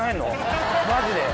マジで？